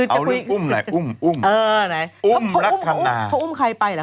ฉันก็คิดว่าคิดว่ามันมีรูปไหมละ